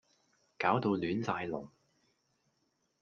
搞到亂晒龍